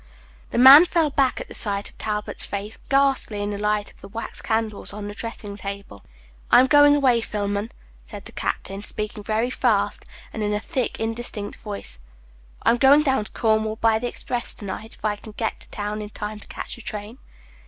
The man fell back at the sight of Talbot's face, ghastly in the light of the wax candles on the dressing table. "I am going away, Philman," said the captain, speaking very fast, and in a thick, indistinct voice. "I am going down to Cornwall by the express to night, if I can get to town in time to catch the train.